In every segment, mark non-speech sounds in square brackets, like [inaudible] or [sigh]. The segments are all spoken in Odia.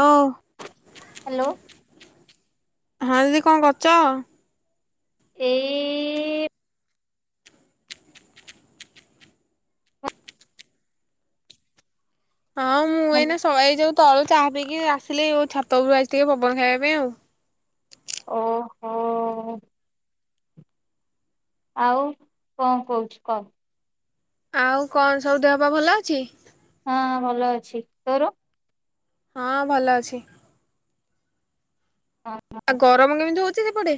ହଉ ହ୍ୟାଲୋ। ହଁ ଦିଦି କଣ କରୁଚ? ଏଇ ହଁ ମୁଁ ହ୍ୟାଲୋ ଏଇନା ଶ‌ଏ ଯୋଉ ତଳୁ ଚାହା ପିଇକି ଆସିଲି ଛାତ ଉପରକୁ ଆଇଚି ଟିକେ ପବନ ଖାଇବା ପାଇଁ ଆଉ। ଓହୋ। ଆଉ କଣ କହୁଚୁ କହ। ଆଉ କଣ ସବୁ ଦେହପା ଭଲ ଅଛି। ହଁ ଭଲ ଅଛି ତୋର? ହଁ ଭଲ ଅଛି। ଆଉ ଗରମ କେମିତି ହୋଉ ଚି ସେପଟେ?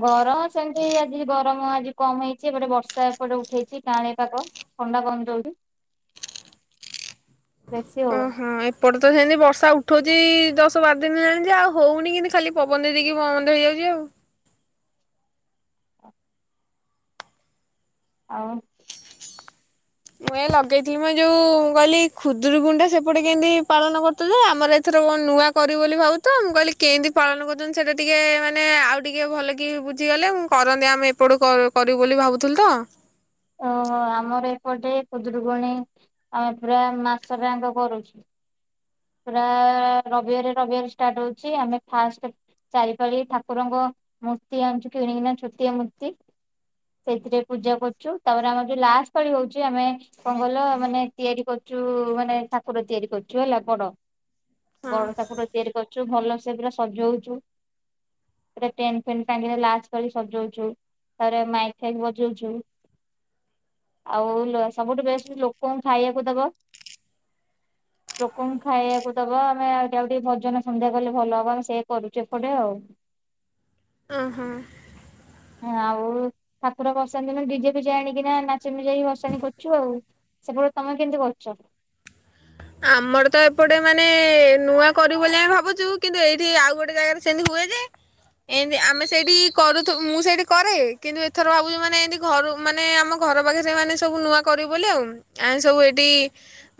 ଗରମ ସେମିତି ଆଜି ଗରମ ଆଜି କମ ହେଇଚି ଏପଟେ ବର୍ଷା ଏପଟେ ଉଠେଇଚି ପାଣି ପାଗ ଥଣ୍ଡା ପବନ ଦୋଉଚି। ବେଶୀ ହୋଉନି। ପଟ ତ ସେନ୍ତି ବର୍ଷା ଉଠୋଉଚି ଦଶ ବାର ଦିନି ହେଇଚି ଆଉ ହୋଉନି କିନ୍ତୁ ଖାଲି ପବନ ଦେଇ ଦେଇକି ବନ୍ଦ ହେଇଯାଉଚି ଆଉ। ଆଉ ମୁଁ ଏ ଲଗେଇଥିଲି ମ ଏ ଯୋଉ କହିଲି ଖୁଦୁରୀକୁଣିଟା ସେପଟେ କେନ୍ତି ପାଳନ କରୁଥୁଲ ଆମର ଏଥର କଣ ନୂଆ କରିବୁ ବୋଲି ଭାବୁ ତ ମୁଁ କହିଲି କେନ୍ତି ପାଳନ କରୁଚନ୍ତି ସେଟା ଟିକେ ମାନେ ଆଉ ଟିକେ ଭଲ କି ବୁଝିଗଲେ ମୁଁ କରନ୍ତି ଆମେ ଏପଟୁ କ କରିବୁ ବୋଲି ଭାବୁଥିଲୁ ତ। ଓହୋ ଆମର ଏପଟେ ଖୁଦୁରୁକୁୁଣୀ ଆମେ ପୁରା ମାସଟା ଆଙ୍କ କରୁଚୁ। ପୁରା ରବିବାରଜ ରବିବାରଜ ଷ୍ଟାଟ୍ ହୋଉଚି। ଆମେ ଫାଷ୍ଟେ ଚାରିପାଳି ଠାକୁରଙ୍କ ମୂର୍ତ୍ତି ଆଣିଚୁ କିଣିକିନା ଛୋଟିଆ ମୂର୍ତ୍ତି ସେଇଥିରେ ପୂଜା କରୁଚୁ। ତାପରେ ଆମର ବି ଲାଷ୍ଟ ପାଳି ହୈଉଚି ଆମେ କଣ କହିଲ ମାନେ ତିଆରି କରୁଚୁ ମାନେ ଠାକୁର ତିଆରି କରୁଚୁ ହେଲା। ବଡ଼। ହଁ ବଡ଼ ଠାକୁର ତିଆରି କରୁ ଚୁ। ଭଲ ସେ ପୁରା ସଜଉଚୁ ଓଟେ ଟେଣ୍ଡ ଫେଣ୍ଡ ଟାଙ୍ଗିନା ଲାଷ୍ଟ ପାଳି ସଜଉଚୁ ତା ପରେ ମାଇକ୍ ଫାଇକ୍ ବଜଉଚୁ ଆଉ ଲ ସବୁଠୁ ବେଷ୍ଟ ଲୋକଙ୍କୁ ଖାଇବାକୁ ଦବ। ଲୋ କଣ ଖାଇବାକୁ ଦବା ଆମେ ଆଉ ଆଉ ଟିକେ ଭଜନ ସନ୍ଧ୍ୟା କଲେ ଭଲ ହବ ଆମେ ସେୟା କରୁଚୁ ଏପଟେ ଆଉ। ଅଁ ହଁ। ହଁ ଆଉ ଠାକୁର ଭଷାଣି ଦିନ ଡିଜେ ଫିଜେ ଆଣିକିନା ନାଚି ନୁଚାକି ଭଷାଣି କରୁଚୁ ଆଉ। ସେପ ତମେ କେନ୍ତି କରୁଚ? ଆମର ତ ଏପଟେ ମାନେ ନୂଆ କରିବୁ ବୋଲି ଆମେ ଭାବୁଚୁ କିନ୍ତୁ ଏଇଠି ଆଉ ଗୋଟେ ଜାଗାରେ ସେନ୍ତି ହୁଏ ଯେ ଏନ୍ତି ଆମେ ସେଇଠି କରୁୁଥୁ ମୁଁ ସେଇଠି କରେ କିନ୍ତୁ ଏଥର ଭାବୁଚୁ ମାନେ ଏନ୍ତି ଘରୁ ମାନେ ଆମ ଘର ମାନେ ଆମ ଘର ପାଖରେ ମାନେ ସବୁ ନୂଆ କରିବୁ ବୋଲି ଆଉ। ଆମେ ସବୁ ଏଇଠି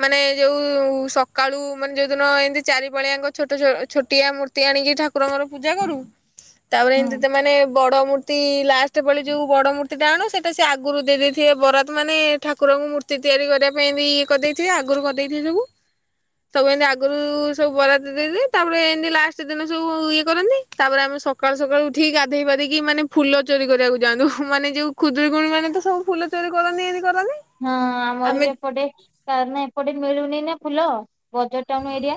ମାନେ ଯୋଉ ସକାଳୁ ମାନେ ଯୋଉ ଦିନ ଏନ୍ତି ଚାରି ପଳିଆଙ୍କ ଛୋଟ ଛୋ ଛୋଟିଆ ମୂର୍ତ୍ତି ଆଣିକି ଠାକୁରଙ୍କର ପୂଜା କରୁ। ତାପରେ ହୁଁ। ଏନ୍ତି ତ ମାନେ ବଡ଼ ମୂର୍ତ୍ତି ଲାଷ୍ଟେ ପାଳି ଯୋଉ ବଡ଼ ମୂର୍ତ୍ତିଟା ଆଣୁ ସେଟା ସିଏ ଆଗୁରୁ ଦେଇେ ଦେଇଥିବେ ବରାତ ମାନେ ଠାକୁରଙ୍କୁ ମୂର୍ତ୍ତି ତିଆରି କରିବା ପାଇଁ ବି ଇଏ କରିଦେଇଥିବେ ଆଗରୁ କରି ଦେଇଥିବେ ସଗୁ ସବୁ ଏନ୍ତି ଆଗରୁ ସବୁ ବରାତ ଦେଇ ଦେଇ ତାପରେ ଏନ୍ତି ଲାଷ୍ଟ ଦିନ ସବୁ ଇଏ କରନ୍ତି ତାପରେ ଆମେ ସକାଳୁ ସକାଳୁ ଉଠିକି ଗାଧେଇ ପାଧେଇକି ମାନେ ଫୁଲ ଚୋରି କରିବାକୁ ଯାଆନ୍ତୁ ମାନେ ଯୋଉ ଖୁଦୁରୁକୁଣି ମାନେ ତ ସବୁ ଫୁଲ ଚୋରି କରନ୍ତି ଇଏ ଦି ହଁ ଆମର ବି ଏପଟେ କାରଣ ଏପଟେ ମିଳୁନି ନାଁ ଫୁଲ ବଜାର ଟାଉନ ଏରିଆ।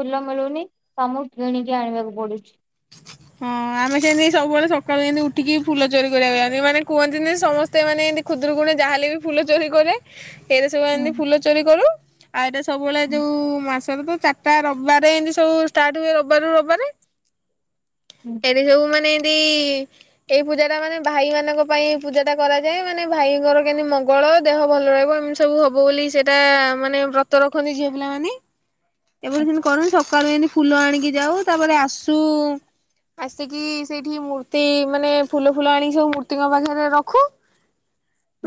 ଫୁଲ ମିଳୁନି ତ ଆମୁକୁ କିଣିକି ଆଣିବାକୁ ପଡୁଚି। ହଁ ଆମେ ସେନ୍ତି ସବୁ ବେଳେ ସକାଳୁ ଏନ୍ତି ଉଠିକି ଫୁଲ ଚୋରି କରିବାକୁ ଯାନ୍ତି ମାନେ କୁହନ୍ତିନ ସମସ୍ତେ ମାନେ ଏନ୍ତି ଖୁଦୁରୁକୁଣି ଯାହା ହେଲେ ବି ଫୁଲ ଚୋରି କରେ। ଏଇରା ସବୁ ହୁଁ ଏନ୍ତି ଫୁଲ ଚୋରି କରୁ। ଆ ଏରା ସ ସବୁ ବେଳେ ହୁଁ ଯୋଉ ମାସ୍ ତେବେ ତ ଚାରିଟା ରବିବାରେ ଏନ୍ତି ସବୁ ଷ୍ଟାର୍ଟ ହୁଏ ରବିବାରେ କୁ ରବିବାରେ। ହୁଁ ଏବେ ସବୁ ମାନେ ଏଇ ଏଇ ପୂଜାଟା ମାନେ ଭାଇମାନଙ୍କ ପାଇଁ ପୂଜାଟା କରାଯାଏ ମାନେ ଭାଇଙ୍କର କେମତି ମଙ୍ଗଳ ଦେହ ଭଲ ରହିବ ଏମିତି ସବୁ ହବ ବୋଲି ସେଟା ମାନେ ବ୍ରତ ରଖନ୍ତି ଝିଅ ପିଲାମାନେ। ଏମାନେ ଆଚ୍ଛା ସେନ୍ତି କରନ୍ତି ସକାଳୁ ଏନି ଫୁଲ ଆଣିକି ଯାଉ ତାପରେ ଆସ୍ ଟୁ ଆସିକି ସେଇଠି ମୂର୍ତ୍ତି ମାନେ ଫୁଲ ଫୁଲ ଆଣିକି ସବୁ ମୂର୍ତ୍ତିଙ୍କ ପାଖରେ ରଖୁ।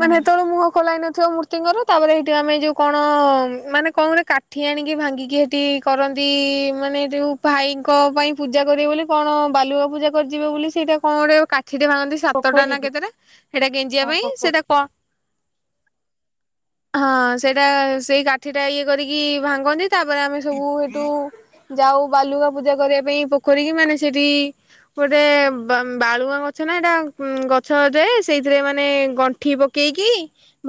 ମାନେ ହେତୋଳ ମୁହଁ ଖୋଲା ହେଇନ ଥିବ ମୂର୍ତ୍ତିଙ୍କର ତାପରେ ହେଇଠି ଆମେ ଏଇ ଯୋଉ କଣ ମାନେ କଣ ଗୋଟେ କାଠି ଆଣିକି ଭାଙ୍ଗିକି ହେଟି କରନ୍ତି ମାନେ ଯୋଉ ଭାଇଙ୍କ ପାଇଁ ପୂଜା କରିବେ ବୋଲି କଣ ବାଲୁକା ପୂଜା କରିିଯିବେ ବୋଲି ସେଇଟା କଣ ଗୋଟେ କା ଖିଟି ମାଗନ୍ତି ସାତଟା ପୋଖରୀ ନା କି କେତେଟା ହେଟା ଗେଞ୍ଜିବା ହଁ ପାଇଁ ପୋଖରୀ ସେଟା କ ହଁ ସେଇଟା ସେଇ କାଠିଟା ଇଏ କରିକି ଭାଙ୍ଗନ୍ତି। ତାପରେ ଆମେ ସବୁ ହେଟୁ ଯାଉ ବାଲୁକା ପୂଜା କରିବା ପାଇଁ ପୋଖରୀ କି ମାନେ ସେଠି ଗୋଟେ ବା ବାଳୁଙ୍ଗା ଗଛ ନାଁ ହେଟା କୁଁ ଗଛଟେ ସେଇଥିରେ ମାନେ ଗଣ୍ଠି ପକେଇକି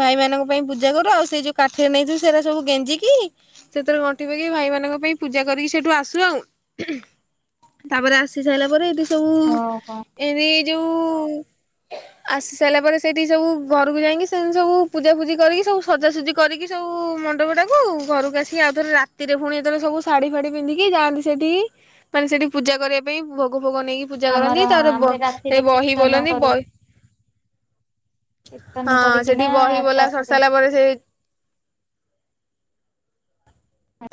ଭାଇମାନଙ୍କ ପାଇଁ ପୂଜା କରୁ ଆଉ ସେଇ ଯୋଉ କାଠିଏ ନେଇଥିବୁ ସେରା ସବୁ ଗେଞ୍ଜିକି ସେଥିରେ ଗଣ୍ଠି ପକେଇ ଭାଇମାନଙ୍କ ପାଇଁ ପୂଜା କରିକି ସେଇଠୁ ଆସୁ ଆଉ। ତାପରେ ଆସି ସାଇଲା ପରେ ଏଠି ଓହୋ। ଉ ଉ ଆସି ସାରିଲା ପରେ ସେଇଠିକି ସବୁ ଘରକୁ ଯାଇକି ସେଠି ସବୁ ପୂଜା ଫୂଜି କରିକି ସବୁ ସଜାସଜି କରିକି ସବୁ ମଣ୍ଡପ ଟାକୁ ଘରକୁ ଆସିକି ଆଉ ଥର ରାତିରେ ପୁଣି ଯେତେବେଳେ ସବୁ ଶାଢୀ ଫାଢୀ ପିନ୍ଧିକି ଯାଆନ୍ତି ସେଠି ପୁଣି ସେଠି ପୂଜା କରିବା ପାଇଁ ଭୋଗ। ଭୋଗ ନେଇକି ପୂଜା କରନ୍ତି ଆମର ତାପରେ ବ ଆମେ ସେ ରାତିରେ ବହି କୀର୍ତ୍ତନ ବୋଲନ୍ତି କରୁ ବହି କୀର୍ତ୍ତନ ହଁ ସେଠି କରିକିନା ବହି ବୋଲା ସରି ତାପରେ ସାରିଲା ପରେ ସେ।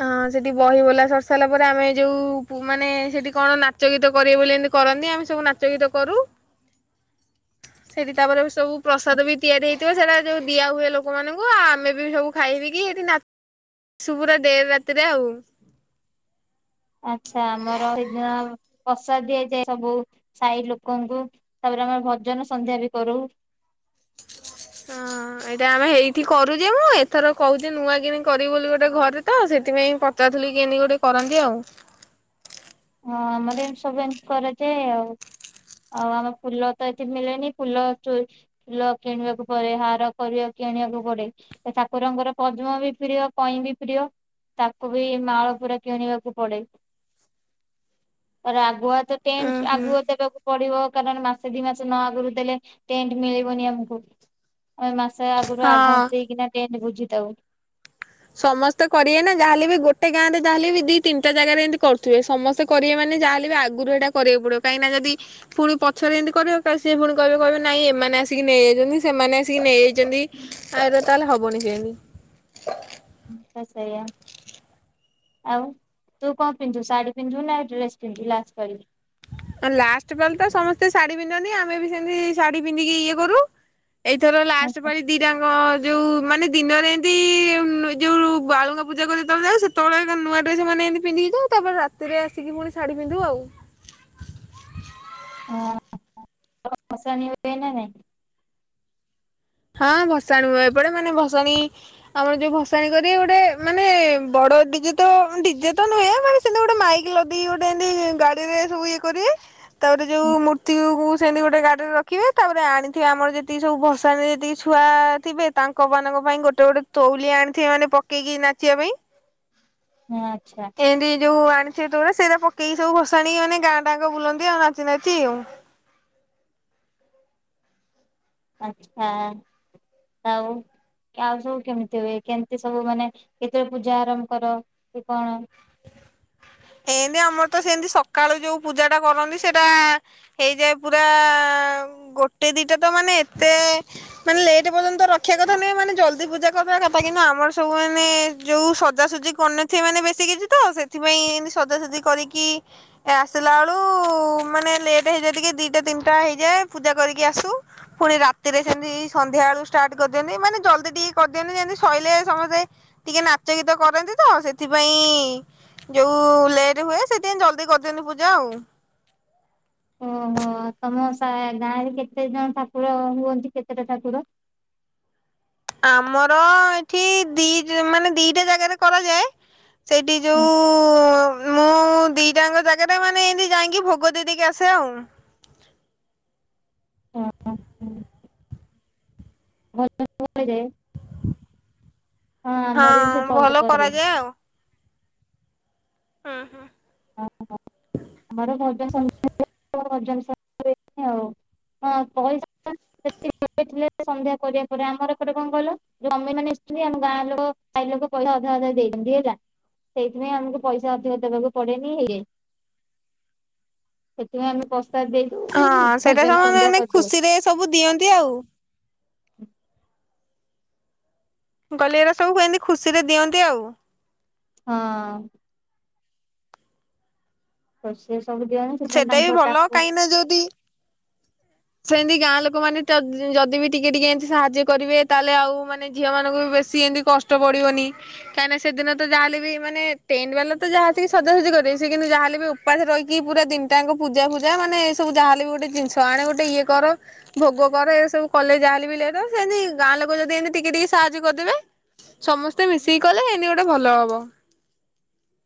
ହଁ ସେଠି ବହି ବୋଲା ସରି ସାରିଲା ପରେ ଆମେ ଯୋଉ ପୁ ମାନେ ସେଠି କଣ ନାଚ ଗୀତ କରିବେ ବୋଲି ଏମିତି କରନ୍ତି ଆମେ ସବୁ ନାଚ ଗୀତ କରୁ ସେଠି ତାପରେ ଉସ ସବୁ ପ୍ରସାଦ ବି ଆଚ୍ଛା ତିଆରି ହେଇଥିବ ସେଡା ଯୋଉ ଦିଆ ହୁଏ ଲୋକ ମାନଙ୍କୁ ଆଉ ଆମେ ବି ସବୁ ଖାଇ ପିଇକି ଏଠି ନାଚୁ ପୁରା। ଡେରି ରାତିରେ ଆଉ। ଆଚ୍ଛା ଆମର ଏଦିନ ଆଉ ପ୍ରସାଦ ଦିଆଯାଏ ସବୁ ସାହି ଲୋକଙ୍କୁ ତାପରେ ଆମର ଭଜନ ସନ୍ଧ୍ୟା ବି କରୁ। ହଁ ଏଇଟା ଆମେ ଏଇଠି କରୁଯେ ମୁଁ ଏଥର କହୁଛି ନୂଆ କି କରିବି ବୋଲି ଗୋଟେ ଘରେତ ସେଥିପାଇଁ ପଚାରୁଥିଲି କେନ୍ତି ଗୋଟେ କରନ୍ତି ଆଉ। ହଁ ଆମର ଏମ ସବୁ ଏମତି କରାଯାଏ ଆଉ ଆଉ ଆମ ଫୁଲ ତ ଏତେ ମିଳେନି ଫୁଲ ଚୋ ଫୁଲ କିଣିବାକୁ ପଡେ ହାର କରିବା କିଣିବାକୁ ପଡେ ଠାକୁରଙ୍କର ପଦ୍ମ ବି ପ୍ରିୟ କଇଁ ବି ପ୍ରିୟ ତାକୁ ବି ମାଳ ପୁରା କିଣିବାକୁ ପଡେ। ଆଗୁଆ। ତ ଉଁ ଟେଣ୍ଟ ହୁଁ। ଆଗୁଆ ଦେବାକୁ। ପଡିବ କାରଣ ମାସେ ଦି ମାସେ ନ ଆଗରୁ ଦେଲେ ଟେଣ୍ଟ ମିଳିବନି ଆମକୁ ଆ ମାଶ୍ ସେ ଆଗୁରୁ ହଁ। ଆଡଭାନ୍ସ ଦେଇକିନା ଟେଣ୍ଟ ବୁଝିଥାଉ। ସମସ୍ତେ କରିବେ ନା ଯାହେଲେ ବି ଗୋଟେ ଗାଁ ରେ ଯାହାଲେ ବି ଦି ତିନିଟା ଜାଗାରେ ଏନ୍ତି କରୁଥିବେ। ସମସ୍ତେ କରିବେ ମାନେ ଯାହେଲେ ବି ଆଗରୁ ଏଇଟା କରିବାକୁ ପଡିବ କାହିଁକିନା ଯଦି ପୁଣି ପଛରେ ଏନ୍ତି କରିବ ତା ସିଏ ପୁଣି କହିବେ କହିବେ ନାଇଁ ଏମାନେ ଆସିକି ନେଇଯାଇଛନ୍ତି ସେମାନେ ଆସିକି ନେଇଯାଇଚନ୍ତି ଆରେ ତାହେଲେ ହବନି ସେମତି। ତ ସେଇଆ ଆଉ ତୁ କଣ ପିନ୍ଧୁ ଶାଢୀ ପିନ୍ଧୁ ନା ଡ୍ରେସ ପିନ୍ଧୁ ଲଷ୍ଟ ପାଳି। ଏ ଲାଷ୍ଟ ପାଳି ବତ ସମସ୍ତେ ଶାଢୀ ପିନ୍ଧନ୍ତି ଆମେ ବି ସେନ୍ତି ଶାଢୀ ପିନ୍ଧିକି ଇଏ କରୁ। ଏଇଥର ଲାଷ୍ଟ ହଁ, ପାଳି ଦିଟାଙ୍କ ଯୋଉ। ମାନେ ଦିନରେ ଏନ୍ତି ଯୋଉ ବାଳୁଙ୍ଗା ପୂଜା କରି ଯେତେବେଳେ ଯାଉ ସେତେବେଳେ ନୂଆ ଡ୍ରେସ ମାନେ ଏନ୍ତି ପିନ୍ଧିକି ଯାଉ ତାପରେ ରାତିରେ ଆସିକି ପୁଣି ଶାଢୀ ପନ୍ଧୁ ଆଉ। ହଁ ତମର ଭଶାଣି ହୁଏ ନା ନାଇଁ। ହଁ ଭଶାଣୀ ହୁଏ ଏପଟେ ମାନେ ଭସାଣି ଆମର ଯୋଉ ଭସାଣି କରୀବେ ଗୋଟେ ମାନେ ବଡ ଡିଜେ ତ ଡିଜେ ତ ନୁହେଁ ମାନେ ସେମିତି ଗୋଟେ ମାଇକ ଲଦିକି ଗୋଟେ ଏମତି ଗାଡିରେ ସବୁ ଇଏ କରି। ତାପରେ ଯୋଉ ମୂର୍ତ୍ତି ଗୁ କୁ ସେମିତି ଗୋଟେ ଗାଡି ର। ଖିବେ ତାପରେ ଆଣିଥିବେ ଆମର ଯେତିକି ସବୁ ଭସାଣି। ଯେତିକି ଛୁଆ ଥିବେ ତାଙ୍କ ମାନଙ୍କ ପାଇଁ ଗୋଟେ ଗୋଟେ ତଉଲିଆ ଆଣିଥିବେ ମାନେ ପକେଇକି ନାଚିବା ପାଇଁ। ଆଚ୍ଛା ଏନ୍ତି ଯୋଉ ଆଣ ସିଏତ ପୁରା ସେଇରା ପକେଇ ସବୁ ଭସାଣି ମାନେ ଗାଁ ଜାଙ୍କ ବୁଲନ୍ତି ଆଉ ନାଚି ନାଚି ଆଉ। ଆଛା ଆଉ ଆଉ ସବୁ କେମିତି ହୁଏ କେମିତି ସବୁ ମାନେ କେତେବେଳେ ପୂଜା ଆରମ୍ଭ କର କି କଣ। ଏନ୍ତି ଆମର ତ ସେନ୍ତି ସକାଳୁ ଯୋଉ ପୂଜା ଟା କରନ୍ତି ସେଟା ଆଁ ହେଇଯାଏ। ପୁରା ଗୋଟେ ଦିଟା ତ ମାନେ ଏତେ ମାନେ ଲେଟ ପର୍ଯ୍ୟନ୍ତ ରଖିବା କଥା ନୁହେଁ ମାନେ ଜଲ୍ଦି ପୂଜା କରିଦବା କଥା କିନ୍ତୁ ଆମର ସବୁ ମାନେ ଯୋଉ ସଜାସଜି କରି ନଥିବେ ମାନେ ବେଶୀ କିଛି ତ ସେଥିପାଇଁ ଏ ନ୍ତି। ସଜାସଜି କରିକି ଆସିଲା ଆଳୁ ମାନେ ଲେଟ୍ ହେଇଯାଏ ଟିକେ ଦିଟା ତିନ୍ ଟା ହେଇଯାଏ ପୂଜା କରିକି ଆସୁ ପୁଣି ରାତିରେ ସେମତି ସନ୍ଧ୍ୟା ବେଳକୁ ଷ୍ଟାର୍ଟ କରିଦିଅନ୍ତି। ଜଲ୍ଦି ଟିକେ କରିଦିଅନ୍ତି ଯେମିତି ଶଇିଲେ ସମସ୍ତେ ଟିକେ ନାଚ ଗୀତ କରନ୍ତି ତ ସେଥିପାଇଁ ଯୋଉ। ଲେଟ ହୁଏ ସେଥିାପାଇଁ ଜଲଦି କରିଦିଅନ୍ତୀ ପୂଜା ଆଉ। ଓହୋ ତମ ଓଷା ଗାଁ ରେ କେତେ ଜଣ ଠାକୁର ହୁଅନ୍ତି କେତେଟା ଠାକୁର। ଆମର ଏଇଠି ଦି ଜ ମାନେ ଦିଟା ଜାଗାରେ କରାଯାଏ। ସେଇଠି ହଁ ଯୋଉ। ମୁଁ ଦିଟାଙ୍କ ଜାଗା ଟା ମାନେ ଏମତି ଯାଇକି ଭୋଗ ଦେଇ ଦେଇକି ଆସେ ଆଉ। ଓ ହୋ ହଉ। [unintelligible] ଆମର ବି ସେ ହଁ ଚଳିତ ଭଲ କରେ। କରାଯାଏ ଆଉ। ହୁଁ ହୁଁ। ହଁ ହଁ ଆମରବଡ [unintelligible] ଆମର ଭଜନସନ୍ଧ୍ୟା ବି ହୁଏ ଆଉ ପଇସା ପରେ ଆମର ଏପଟେ କଣ କହିଲ ଜମି ମାନ ଆସିଛନ୍ତି ଆମ ଗାଁ ଲୋକ ସାଇ ଲୋକ ପଇସା ଅଧା ଅଧା ଦେଇଛନ୍ତି ହେଲା ସେଇଥିପାଇଁ ଆମକୁ ପଇସା ଅଧିକ [unintelligible] ଦେବାକୁ ପଡେନି ହ ସେଥିପାଇଁ ଆମେ ହଁ ସେଇଟା ଭଜନ ସନ୍ଧ୍ୟା ସେମାନେ କରିଦଉ। ଖୁସିରେ ସବୁ ଦିଅନ୍ତି ଆଉ। ହୁଁ। ଗଲେ ଏରା ସବୁ ଏମିତି ଖୁସିରେ ଦିଅନ୍ତି ଆଉ। ହଁ। [unintelligible] ସେଥିପାଇଁ ସେଟା ବି ତାଙ୍କ ଭଲ ଡାକୁ କାହିଁ ନା ଯଦି ସେମିତି ଗାଁ ଲୋକ ମାନେ ତଦ୍ ଯଦି ବି ଟିକେ ଟିକେ ଏମିତି ସାହାଯ୍ୟ କରିବେ ତାହେଲେ ଆଉ ମାନେ ଝିଅ ମାନଙ୍କୁ ବି ବେଶି ଏମିତି କଷ୍ଟ ପଡିବନି କାହିଁକି ନା ସେଦିନ ତ ଯାହାେଲେ ବି ମାନେ ଟେଣ୍ଟ ବାଲା ତ ଯାହା ଆସିଅଛି ସଜାସଜି କରିବେ ସେ କିନ୍ତୁ ଯାହାଲେ ବି ଉପାସରେ ରହିିକି ପୁରା ଦିନଟାଯାଙ୍କ ପୂଜା ଫୂଜା ମାନେ ଏ ସବୁ ଯାହାେଲେ ବି ଗୋଟେ ଜିନିଷ ଆଣେ ଟେ ଇଏ କର ଭୋଗ କର ଏ ସବୁ କଲେ ଯାହେଲେ ବି ଲେଟ୍ ହବ ସେମତି ଗାଁ ଲୋକ ଯଦି ଏମିତି ଟିକେ ଟିକେ ସାହାଯ୍ୟ କରିଦେବେ ସମସ୍ତେ ମିଶିକି କଲେ ଏମତି ଗୋଟେ ଭଲ ହବ।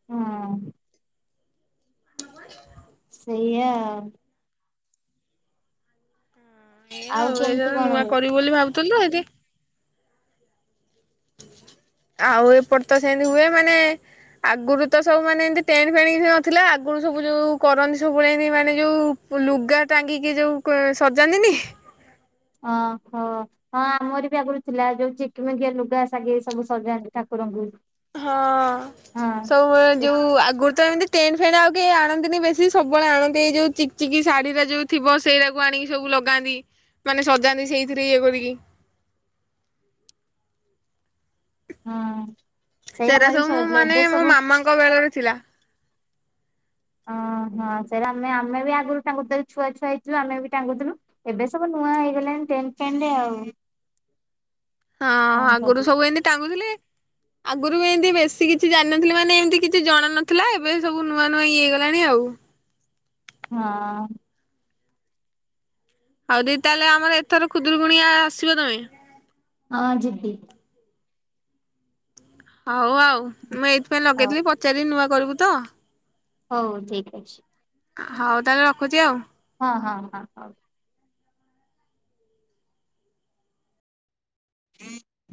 ହଁ। [inaudible] ସେଇୟା ଆଉ। ଏଇଆ ଆଉ ଏଇଠାରେ କେମିତି ଗୋଟେ କଣ ନୂଆ ହୁଏ? କରିବୁ ବୋଲି [unintelligible] ଆଉ ଏପଟେ ତ ସେମତି ହୁଏ ମାନେ ଆଗୁରୁ ତ ସବୁ ମାନେ ଏମତି ଟେଣ୍ଟ ଫେଣ୍ଟ କିଛି ନଥିଲା ଆଗରୁ ସବୁ ଯୋଉ କରନ୍ତି ସବୁବେଳେ ଏ ନେଇ ମାନେ ଯୋଉ ଲୁଗା ଟାଙ୍ଗିକି ଯୋଉ କ ସଜାନ୍ତିନି ଅଁ ହୋ ହଁ ଆମର ବି ଆଗରୁ ଥିଲା ଯୋଉ ଚିକମିକିଆ ଲୁଗା ସାଗେ ସବୁ ସଜାନ୍ତି ଠାକୁରଙ୍କୁ। ହଁ ହଁ। ସବୁବେଳେ ଏ ଯୋଉ ଆଗରୁ ତ ଏମତି ଟେଣ୍ଟ ଫେଣ୍ଟ ଆଉ କେ ଆଣନ୍ତିନି ବେଶୀ ସବୁବେଳେ ଆଣନ୍ତି ଏଇ ଯୋଉ ଚିକ ଚିକି ଶାଢୀର ଯୋଉ ଥିବ ସେଇଟାକୁୁ ଆଣିକି ସବୁ ଲଗାନ୍ତି ମାନେ ସଜାନ୍ତି ସେଇଥିରେ ଇଏ କରିକି। ହଁ। ସେଇ ସେରା ଆମର ବି ସବୁ ମୁଁ ସଜାଡିଥିଲେ ମାନେ ଏବେ ମୋ ସବୁ ମାମାଙ୍କ ବେଳରେ ଥିଲା। ଓ ହଁ ସେରା ଆମେ ଆମେ ବି ଆଗରୁ ଟାଙ୍ଗୁଥିଲୁ ଛୁଆ ଛୁଆ ହେଇଥିଲୁ ଆମେ ବି ଟାଙ୍ଗୁଥିଲୁ ଏବେ ସବୁ ନୂଆ ହେଇଗଲାଣି ଟେଣ୍ଟ ଫେଣ୍ଟ ଆଉ। ହଁ କଣ ଆଗରୁ କରିବା ସବୁ ଏମିତି ଟାଙ୍ଗୁଥିଲେ। ଆଗରୁ ବି ଏମତି ବେଶୀ କିଛି ଜାଣିନଥିଲି ମାନେ ଏମତି କିଛି ଜଣା ନଥିଲା ଏବେ ସବୁ ନୂଆ ନୂଆ ଇଏ ହେଇଗଲାଣି ଆଉ। ହଁ। ଆଉ ଦେଇ ତାହେଲେ ଆମର ଏଥର ଖୁଦୁୁରକୁୁଣି ଆ ଆ ଆସିବ ତମେ। ହଁ ଯିବି। ହଉ ଆଉ ମୁଁ ଏଇଥିପାଇଁ ହଉ ଲଗେଇଥିଲି ପଚାରି କରିବୁ ତ? ହଉ ଠିକ ଅଛି। ହଉ ତାହେଲେ ରଖୁଛି ଆଉ। ହଁ ହଁ ହଉ। [inaudible]